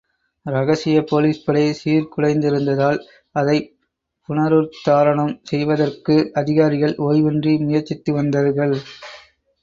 இரகசிய போலிஸ்படை சீர்குலைந்திருந்தால், அதைப் புனருத்தாரணம் செய்வதற்கு அதிகாரிகள் ஓவ்வின்றி முயற்சித்து வந்தர்கள்.